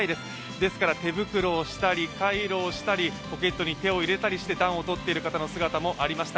ですから手袋をしたり、カイロをしたり、ポケットに手を入れて暖を取っている人の姿もありました。